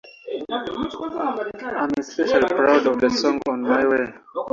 I'm especially proud of the song "On My Way".